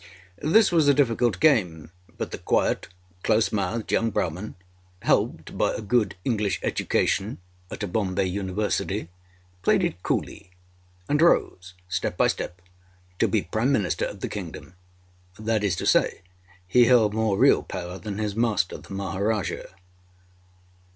This was a difficult game, but the quiet, close mouthed young Brahmin, helped by a good English education at a Bombay University, played it coolly, and rose, step by step, to be Prime Minister of the kingdom. That is to say, he held more real power than his master the Maharajah.